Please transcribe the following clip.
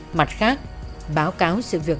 một mặt khác báo cáo sự việc